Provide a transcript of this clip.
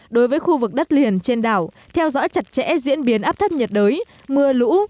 đối với khu vực đất liền trên đảo theo dõi chặt chẽ diễn biến áp thấp nhiệt đới mưa lũ